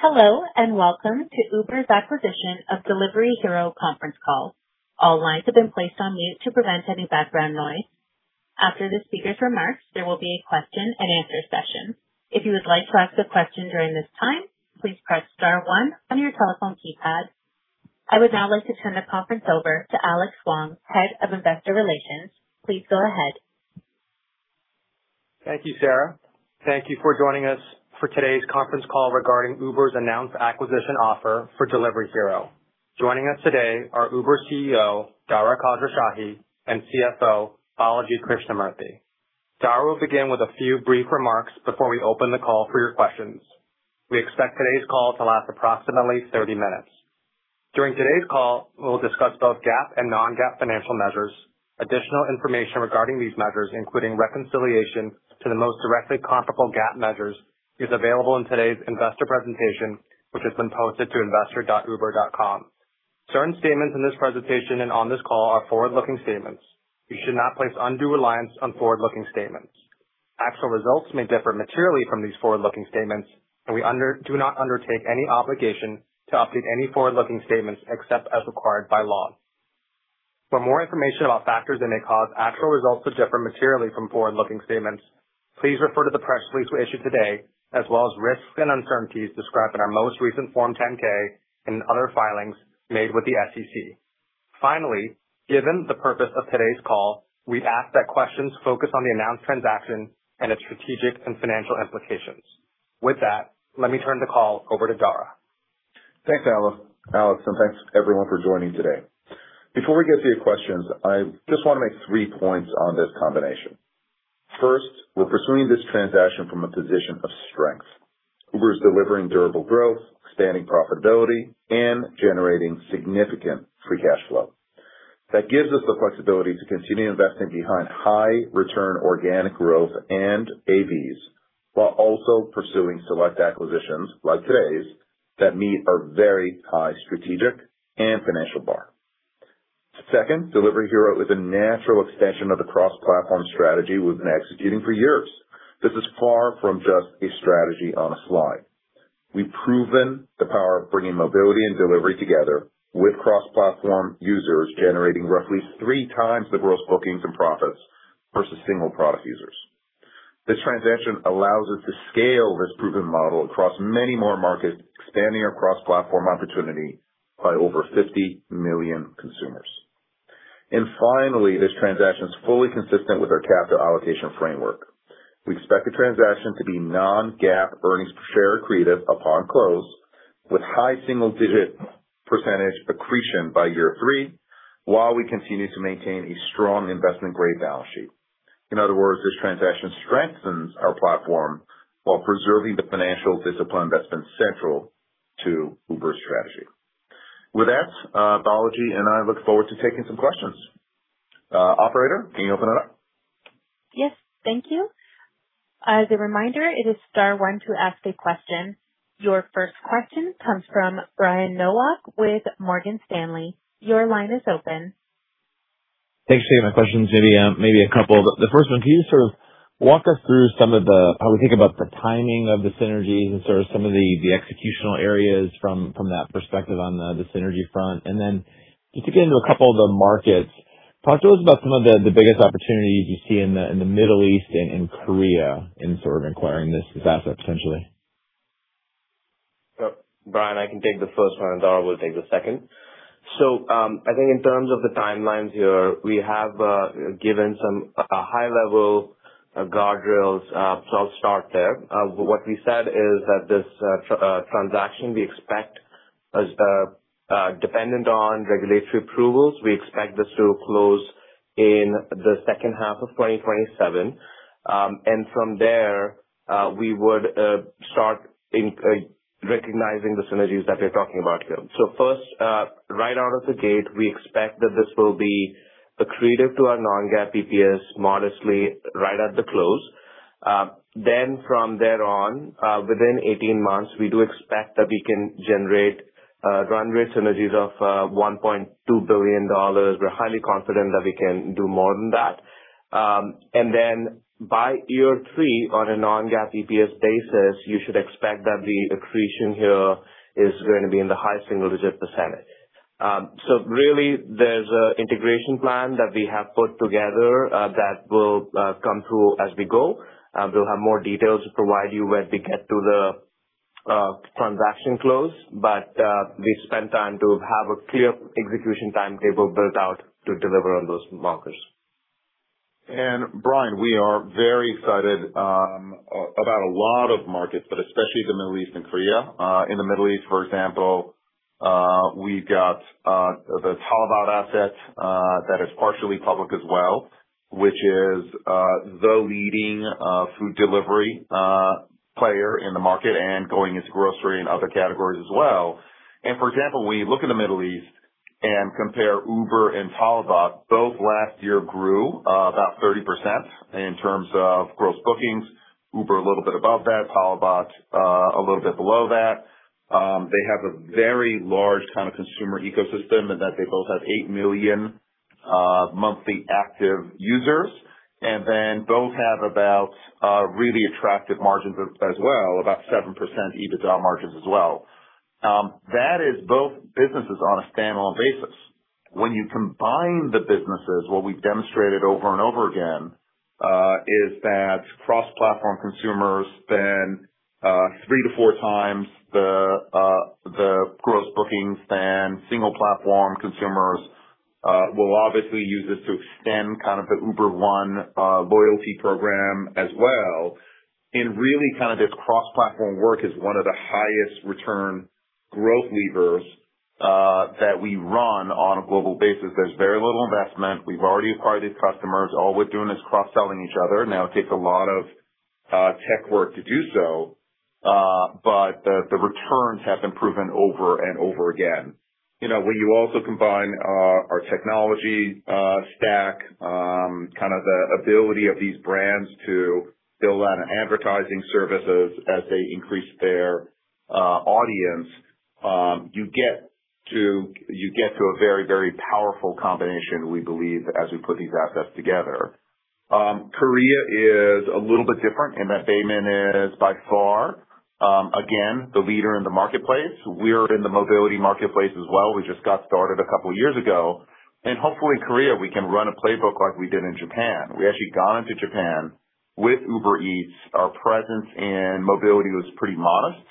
Hello, welcome to Uber's acquisition of Delivery Hero conference call. All lines have been placed on mute to prevent any background noise. After the speakers' remarks, there will be a question and answer session. If you would like to ask a question during this time, please press star one on your telephone keypad. I would now like to turn the conference over to Alex Hwang, Head of Investor Relations. Please go ahead. Thank you, Sarah. Thank you for joining us for today's conference call regarding Uber's announced acquisition offer for Delivery Hero. Joining us today are Uber CEO, Dara Khosrowshahi, and CFO, Balaji Krishnamurthy. Dara will begin with a few brief remarks before we open the call for your questions. We expect today's call to last approximately 30 minutes. During today's call, we'll discuss both GAAP and Non-GAAP financial measures. Additional information regarding these measures, including reconciliation to the most directly comparable GAAP measures, is available in today's investor presentation, which has been posted to investor.uber.com. Certain statements in this presentation and on this call are forward-looking statements. You should not place undue reliance on forward-looking statements. Actual results may differ materially from these forward-looking statements, we do not undertake any obligation to update any forward-looking statements except as required by law. For more information about factors that may cause actual results to differ materially from forward-looking statements, please refer to the press release we issued today, as well as risks and uncertainties described in our most recent Form 10-K and other filings made with the SEC. Finally, given the purpose of today's call, we ask that questions focus on the announced transaction and its strategic and financial implications. With that, let me turn the call over to Dara. Thanks, Alex. Thanks, everyone, for joining today. Before we get to your questions, I just want to make three points on this combination. First, we're pursuing this transaction from a position of strength. Uber is delivering durable growth, expanding profitability, and generating significant free cash flow. That gives us the flexibility to continue investing behind high return organic growth and AVs, while also pursuing select acquisitions, like today's, that meet our very high strategic and financial bar. Second, Delivery Hero is a natural extension of the cross-platform strategy we've been executing for years. This is far from just a strategy on a slide. We've proven the power of bringing mobility and delivery together with cross-platform users generating roughly three times the Gross Bookings and profits versus single product users. This transaction allows us to scale this proven model across many more markets, expanding our cross-platform opportunity by over 50 million consumers. Finally, this transaction is fully consistent with our capital allocation framework. We expect the transaction to be Non-GAAP earnings per share accretive upon close with high single-digit percentage accretion by year three, while we continue to maintain a strong investment-grade balance sheet. In other words, this transaction strengthens our platform while preserving the financial discipline that's been central to Uber's strategy. With that, Balaji and I look forward to taking some questions. Operator, can you open it up? Yes. Thank you. As a reminder, it is star one to ask a question. Your first question comes from Brian Nowak with Morgan Stanley. Your line is open. Thanks. My question is maybe a couple. The first one, can you sort of walk us through how we think about the timing of the synergies and sort of some of the executional areas from that perspective on the synergy front? Then just to get into a couple of the markets, talk to us about some of the biggest opportunities you see in the Middle East and in Korea in sort of acquiring this asset potentially. Brian, I can take the first one. Dara will take the second. I think in terms of the timelines here, we have given some high-level guardrails, so I'll start there. What we said is that this transaction, dependent on regulatory approvals, we expect this to close in the second half of 2027. From there, we would start recognizing the synergies that we're talking about here. First, right out of the gate, we expect that this will be accretive to our Non-GAAP EPS modestly right at the close. Then from there on, within 18 months, we do expect that we can generate run rate synergies of $1.2 billion. We're highly confident that we can do more than that. Then by year three, on a Non-GAAP EPS basis, you should expect that the accretion here is going to be in the high single-digit %. Really, there's an integration plan that we have put together that will come through as we go. We'll have more details to provide you when we get to the transaction close, but we've spent time to have a clear execution timetable built out to deliver on those markers. Brian, we are very excited about a lot of markets, but especially the Middle East and Korea. In the Middle East, for example, we've got the Talabat asset that is partially public as well, which is the leading food delivery player in the market and going into grocery and other categories as well. For example, when you look at the Middle East and compare Uber and Talabat, both last year grew about 30% in terms of Gross Bookings. Uber a little bit above that, Talabat a little bit below that. They have a very large consumer ecosystem in that they both have 8 million monthly active users. Both have about really attractive margins as well, about 7% EBITDA margins as well. That is both businesses on a standalone basis. When you combine the businesses, what we've demonstrated over and over again, is that cross-platform consumers spend three to four times the Gross Bookings than single platform consumers. We'll obviously use this to extend the Uber One loyalty program as well. Really, this cross-platform work is one of the highest return growth levers that we run on a global basis. There's very little investment. We've already acquired these customers. All we're doing is cross-selling each other. Now it takes a lot of tech work to do so, but the returns have been proven over and over again. When you also combine our technology stack, the ability of these brands to build out advertising services as they increase their audience, you get to a very, very powerful combination, we believe, as we put these assets together. Korea is a little bit different in that Baemin is by far, again, the leader in the marketplace. We're in the mobility marketplace as well. We just got started a couple years ago. Hopefully in Korea, we can run a playbook like we did in Japan. We actually had gone into Japan with Uber Eats. Our presence in mobility was pretty modest.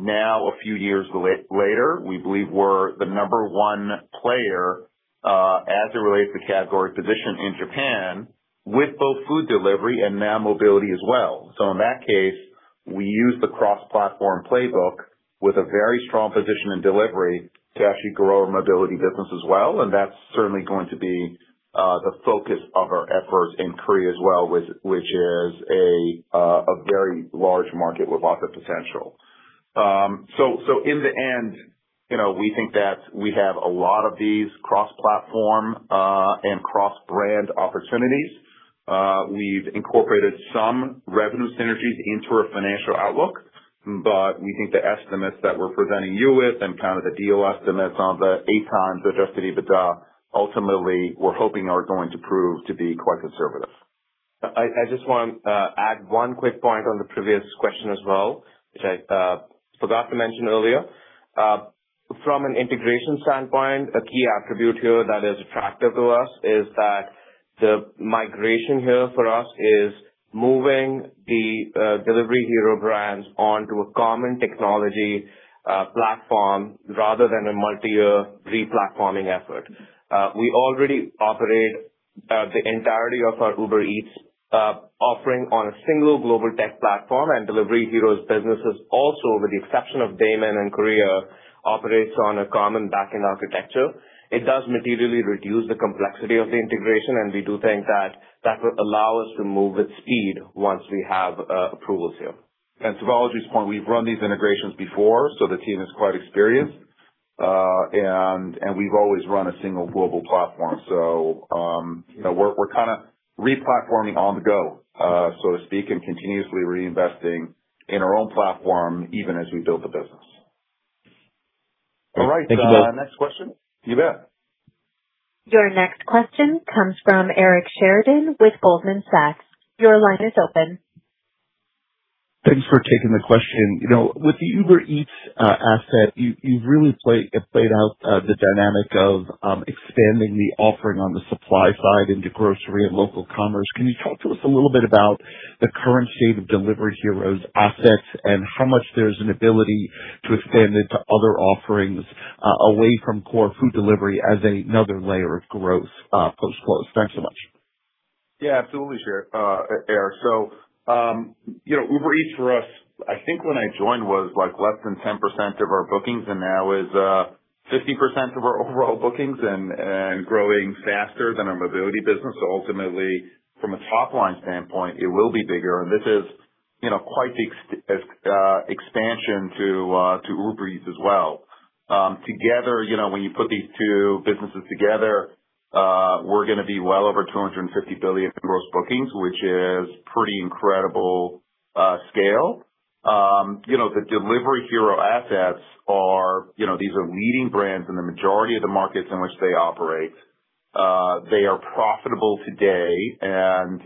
Now, a few years later, we believe we're the number one player, as it relates to category position in Japan, with both food delivery and now mobility as well. In that case, we use the cross-platform playbook with a very strong position in delivery to actually grow our mobility business as well. That's certainly going to be the focus of our efforts in Korea as well, which is a very large market with lots of potential. In the end, we think that we have a lot of these cross-platform and cross-brand opportunities. We've incorporated some revenue synergies into our financial outlook, but we think the estimates that we're presenting you with and the DOS estimates on the [ATAN] adjusted EBITDA, ultimately, we're hoping are going to prove to be quite conservative. I just want to add one quick point on the previous question as well, which I forgot to mention earlier. From an integration standpoint, a key attribute here that is attractive to us is that the migration here for us is moving the Delivery Hero brands onto a common technology platform rather than a multi-year re-platforming effort. We already operate the entirety of our Uber Eats offering on a single global tech platform, and Delivery Hero's business is also, with the exception of Baemin in Korea, operates on a common backend architecture. It does materially reduce the complexity of the integration, we do think that will allow us to move with speed once we have approvals here. To Balaji's point, we've run these integrations before, so the team is quite experienced. We've always run a single global platform. We're kind of re-platforming on the go, so to speak, and continuously reinvesting in our own platform even as we build the business. All right. Next question. You bet. Your next question comes from Eric Sheridan with Goldman Sachs. Your line is open. Thanks for taking the question. With the Uber Eats asset, you've really played out the dynamic of expanding the offering on the supply side into grocery and local commerce. Can you talk to us a little bit about the current state of Delivery Hero's assets and how much there's an ability to expand it to other offerings, away from core food delivery as another layer of growth, post-close? Thanks so much. Yeah, absolutely, Eric. Uber Eats for us, I think when I joined was less than 10% of our bookings, and now is 50% of our overall bookings and growing faster than our mobility business. Ultimately from a top-line standpoint, it will be bigger. This is quite the expansion to Uber Eats as well. When you put these two businesses together, we're going to be well over $250 billion in Gross Bookings, which is pretty incredible scale. The Delivery Hero assets are leading brands in the majority of the markets in which they operate. They are profitable today.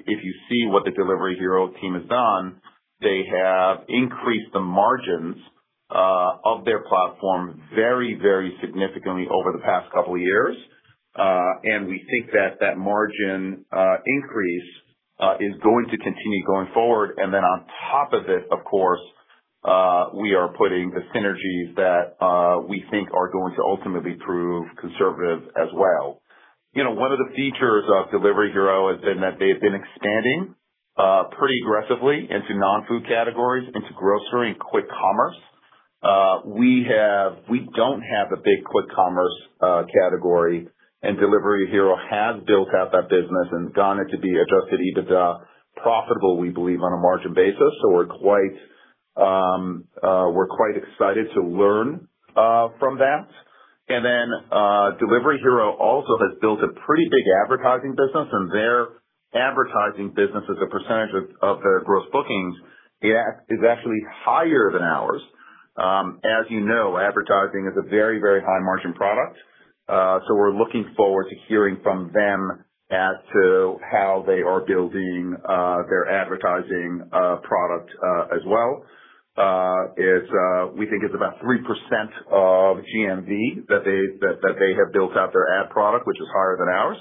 If you see what the Delivery Hero team has done, they have increased the margins of their platform very, very significantly over the past couple of years. We think that that margin increase is going to continue going forward. On top of it, of course, we are putting the synergies that we think are going to ultimately prove conservative as well. One of the features of Delivery Hero has been that they've been expanding pretty aggressively into non-food categories, into grocery and quick commerce. We don't have a big quick commerce category, and Delivery Hero has built out that business and gotten it to be adjusted, EBITDA profitable, we believe, on a margin basis. We're quite excited to learn from that. Delivery Hero also has built a pretty big advertising business, and their advertising business as a percentage of their Gross Bookings is actually higher than ours. As you know, advertising is a very high margin product. We're looking forward to hearing from them as to how they are building their advertising product as well. We think it's about 3% of GMV that they have built out their ad product, which is higher than ours.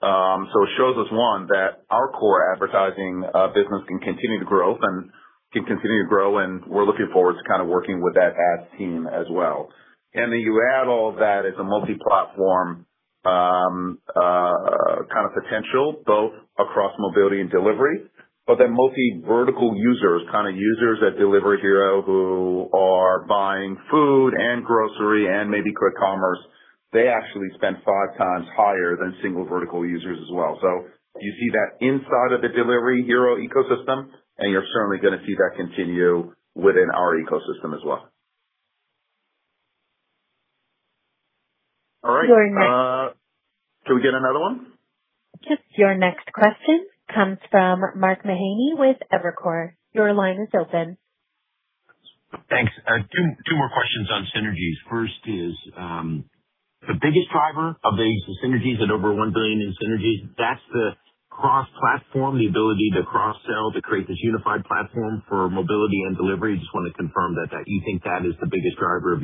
It shows us, one, that our core advertising business can continue to grow, and we're looking forward to working with that ads team as well. You add all that as a multi-platform potential, both across mobility and delivery, but then multi-vertical users at Delivery Hero who are buying food and grocery and maybe quick commerce, they actually spend five times higher than single vertical users as well. You see that inside of the Delivery Hero ecosystem, and you're certainly going to see that continue within our ecosystem as well. All right. Can we get another one? Just your next question comes from Mark Mahaney with Evercore. Your line is open. Thanks. Two more questions on synergies. First is, the biggest driver of these synergies at over $1 billion in synergies, that's the cross-platform, the ability to cross-sell to create this unified platform for mobility and delivery. Just wanted to confirm that you think that is the biggest driver of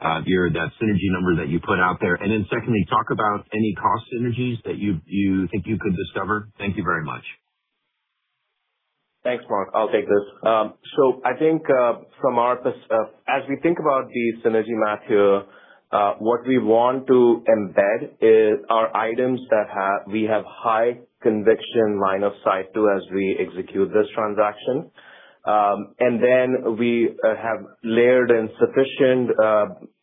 that synergy number that you put out there. Secondly, talk about any cost synergies that you think you could discover. Thank you very much. Thanks, Mark. I'll take this. I think, as we think about the synergy math here, what we want to embed is our items that we have high conviction line of sight to as we execute this transaction. We have layered in sufficient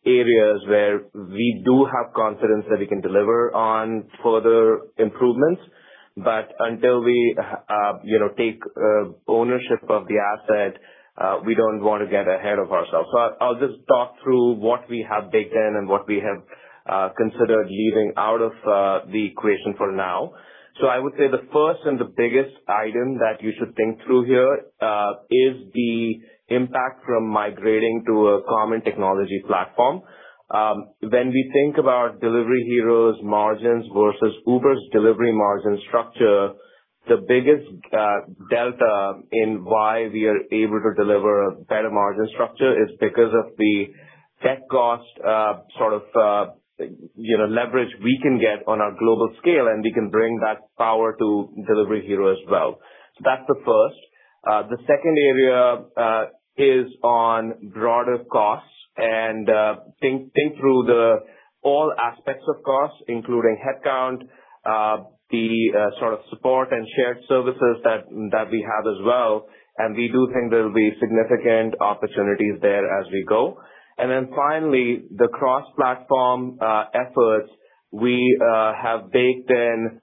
areas where we do have confidence that we can deliver on further improvements. Until we take ownership of the asset, we don't want to get ahead of ourselves. I'll just talk through what we have baked in and what we have considered leaving out of the equation for now. I would say the first and the biggest item that you should think through here, is the impact from migrating to a common technology platform. When we think about Delivery Hero's margins versus Uber's delivery margin structure, the biggest delta in why we are able to deliver a better margin structure is because of the tech cost leverage we can get on our global scale, and we can bring that power to Delivery Hero as well. That's the first. The second area is on broader costs and think through the all aspects of cost, including headcount, the sort of support and shared services that we have as well, and we do think there'll be significant opportunities there as we go. Finally, the cross-platform efforts we have baked in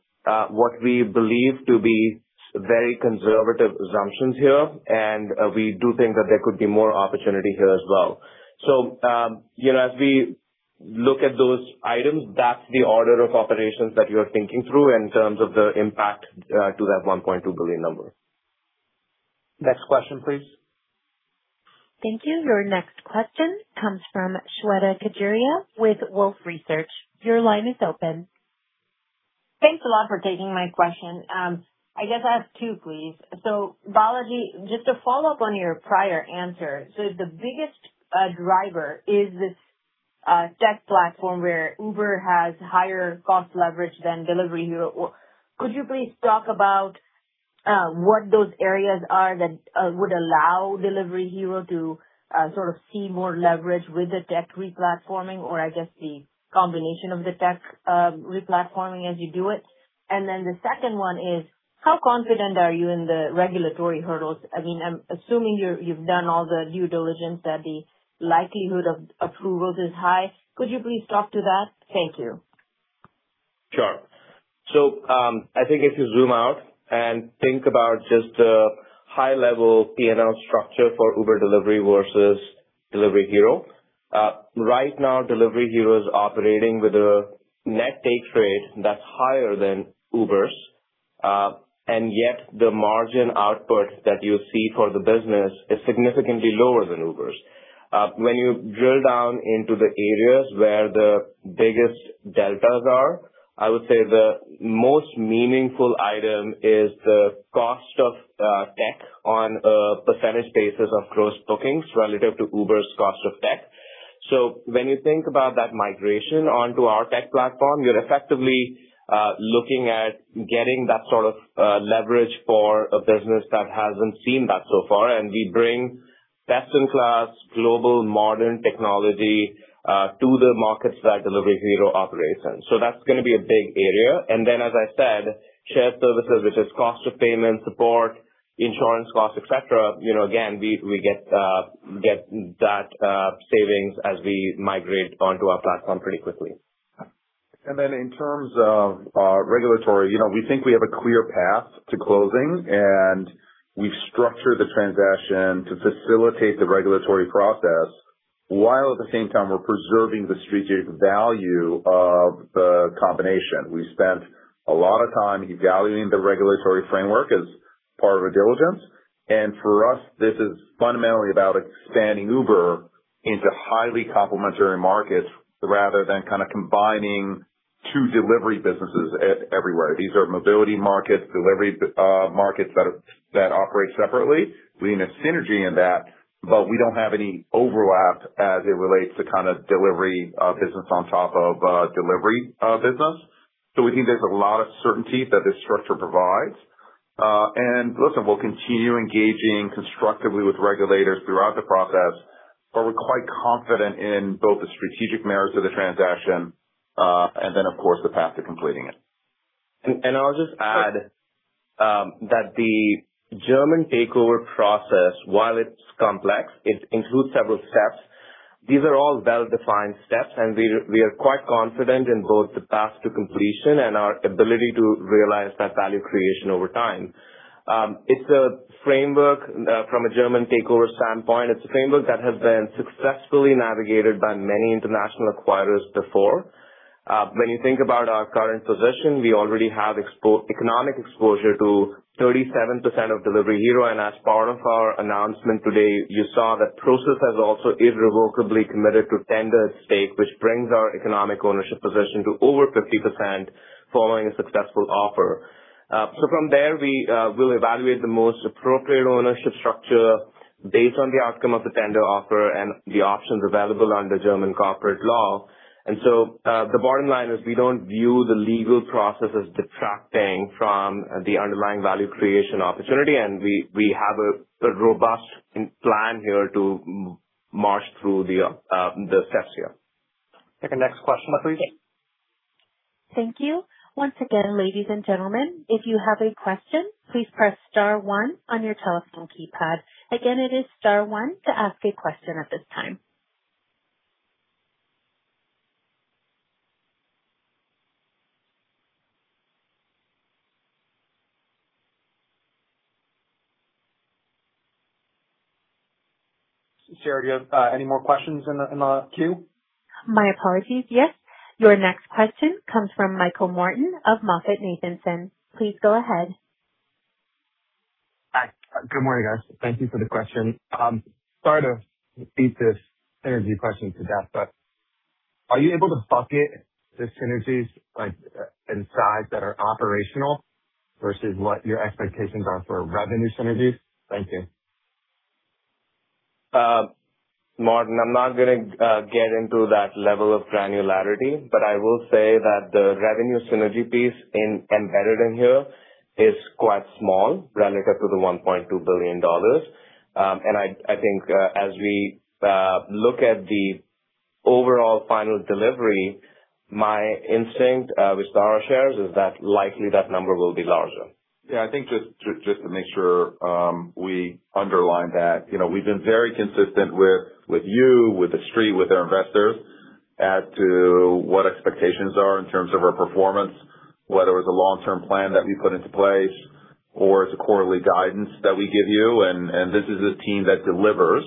what we believe to be very conservative assumptions here, and we do think that there could be more opportunity here as well. As we look at those items, that's the order of operations that we are thinking through in terms of the impact to that $1.2 billion number. Next question, please. Thank you. Your next question comes from Shweta Khajuria with Wolfe Research. Your line is open. Thanks a lot for taking my question. I guess I'll ask two, please. Balaji, just to follow up on your prior answer. The biggest driver is this tech platform where Uber has higher cost leverage than Delivery Hero. Could you please talk about what those areas are that would allow Delivery Hero to see more leverage with the tech re-platforming or I guess the combination of the tech re-platforming as you do it? The second one is, how confident are you in the regulatory hurdles? I am assuming you have done all the due diligence that the likelihood of approvals is high. Could you please talk to that? Thank you. Sure. I think if you zoom out and think about just the high level P&L structure for Uber Delivery versus Delivery Hero. Right now, Delivery Hero is operating with a net take rate that is higher than Uber's, and yet the margin output that you see for the business is significantly lower than Uber's. When you drill down into the areas where the biggest deltas are, I would say the most meaningful item is the cost of tech on a percentage basis of Gross Bookings relative to Uber's cost of tech. When you think about that migration onto our tech platform, you are effectively looking at getting that sort of leverage for a business that has not seen that so far. We bring best-in-class global modern technology to the markets that Delivery Hero operates in. That is going to be a big area. As I said, shared services such as cost of payment, support, insurance costs, et cetera, again, we get that savings as we migrate onto our platform pretty quickly. In terms of regulatory, we think we have a clear path to closing, and we've structured the transaction to facilitate the regulatory process while at the same time, we're preserving the strategic value of the combination. We spent a lot of time evaluating the regulatory framework as part of our diligence. For us, this is fundamentally about expanding Uber into highly complementary markets rather than combining two delivery businesses everywhere. These are mobility markets, delivery markets that operate separately. We need a synergy in that, but we don't have any overlap as it relates to delivery business on top of delivery business. We think there's a lot of certainty that this structure provides. Listen, we'll continue engaging constructively with regulators throughout the process, but we're quite confident in both the strategic merits of the transaction, and then, of course, the path to completing it. I'll just add that the German takeover process, while it's complex, it includes several steps. These are all well-defined steps, and we are quite confident in both the path to completion and our ability to realize that value creation over time. It's a framework from a German takeover standpoint. It's a framework that has been successfully navigated by many international acquirers before. When you think about our current position, we already have economic exposure to 37% of Delivery Hero, and as part of our announcement today, you saw that Prosus has also irrevocably committed to tender at stake, which brings our economic ownership position to over 50% following a successful offer. From there, we will evaluate the most appropriate ownership structure based on the outcome of the tender offer and the options available under German corporate law. The bottom line is we don't view the legal process as detracting from the underlying value creation opportunity. We have a robust plan here to march through the steps here. Take the next question, please. Thank you. Once again, ladies and gentlemen, if you have a question, please press star one on your telephone keypad. Again, it is star one to ask a question at this time. Sarah, do you have any more questions in the queue? My apologies. Yes. Your next question comes from Michael Morton of MoffettNathanson. Please go ahead. Good morning, guys. Thank you for the question. Sorry to beat this synergy question to death. Are you able to bucket the synergies inside that are operational versus what your expectations are for revenue synergies? Thank you. Morton, I'm not going to get into that level of granularity, but I will say that the revenue synergy piece embedded in here is quite small relative to the $1.2 billion. I think as we look at the overall final delivery, my instinct with Dara shares is that likely that number will be larger. Yeah, I think just to make sure, we underline that. We've been very consistent with you, with the Street, with our investors as to what expectations are in terms of our performance, whether it's a long-term plan that we put into place or it's a quarterly guidance that we give you. This is a team that delivers.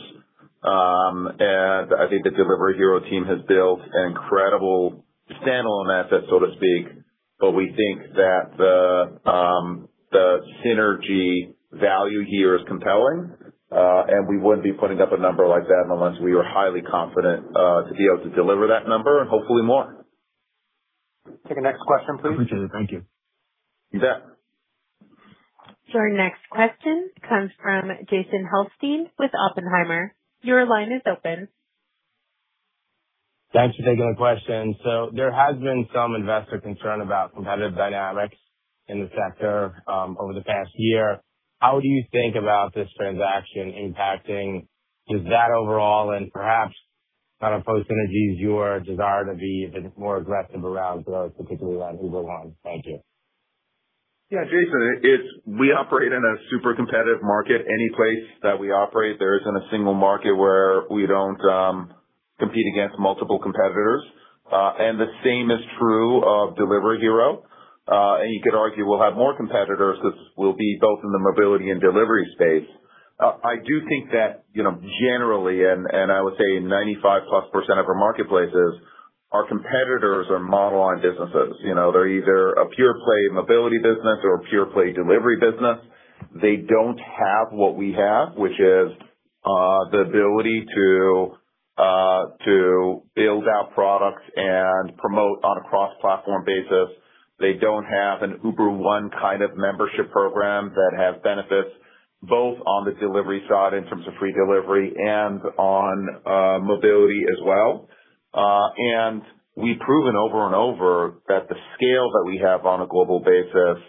I think the Delivery Hero team has built an incredible standalone asset, so to speak. We think that the synergy value here is compelling, and we wouldn't be putting up a number like that unless we were highly confident to be able to deliver that number and hopefully more. Take the next question, please. Appreciate it. Thank you. You bet. Our next question comes from Jason Helfstein with Oppenheimer. Your line is open. Thanks for taking the question. There has been some investor concern about competitive dynamics in the sector over the past year. How do you think about this transaction impacting just that overall and perhaps post synergies, your desire to be even more aggressive around growth, particularly around Uber One? Thank you. Yeah, Jason, we operate in a super competitive market. Any place that we operate, there isn't a single market where we don't compete against multiple competitors. The same is true of Delivery Hero. You could argue we'll have more competitors because we'll be both in the mobility and delivery space. I do think that generally, and I would say in 95 plus percent of our marketplaces, our competitors are model-on businesses. They're either a pure-play mobility business or a pure-play delivery business. They don't have what we have, which is the ability to build out products and promote on a cross-platform basis. They don't have an Uber One membership program that has benefits both on the delivery side in terms of free delivery and on mobility as well. We've proven over and over that the scale that we have on a global basis,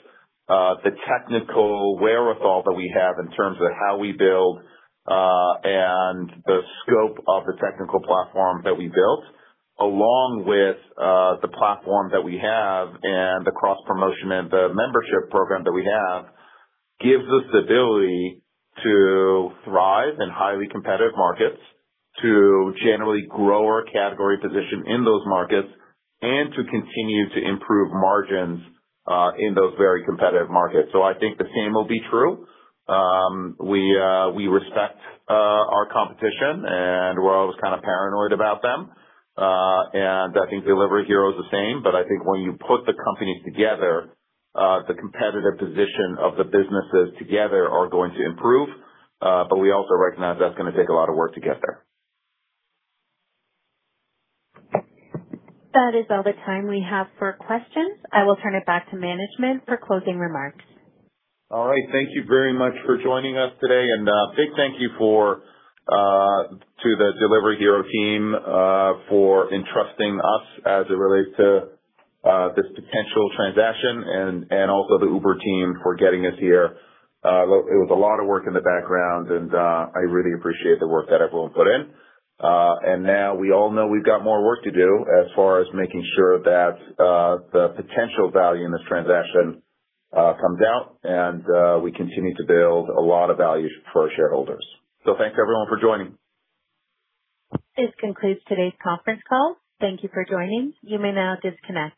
the technical wherewithal that we have in terms of how we build, the scope of the technical platform that we built, along with the platform that we have and the cross-promotion and the membership program that we have, gives us the ability to thrive in highly competitive markets, to generally grow our category position in those markets, and to continue to improve margins in those very competitive markets. I think the same will be true. We respect our competition, we're always kind of paranoid about them. I think Delivery Hero is the same, I think when you put the companies together, the competitive position of the businesses together are going to improve. We also recognize that's going to take a lot of work to get there. That is all the time we have for questions. I will turn it back to management for closing remarks. All right. Thank you very much for joining us today, a big thank you to the Delivery Hero team for entrusting us as it relates to this potential transaction, also the Uber team for getting us here. It was a lot of work in the background, I really appreciate the work that everyone put in. Now we all know we've got more work to do as far as making sure that the potential value in this transaction comes out, we continue to build a lot of value for our shareholders. Thanks, everyone, for joining. This concludes today's conference call. Thank you for joining. You may now disconnect.